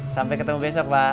sampai ketemu besok bu